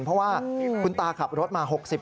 เพราะว่าคุณตาขับรถมา๖๐กิโลกรัม